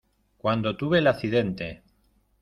cuando tuve el accidente.